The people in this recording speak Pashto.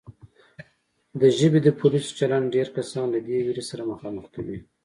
د ژبې د پولیسو چلند ډېر کسان له دې وېرې سره مخامخ کوي